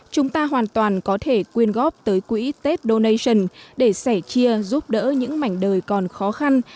chúng ta hoàn toàn có thể quyên góp tới quỹ tết donation để sẻ chia giúp đỡ những mảnh đời còn khó khăn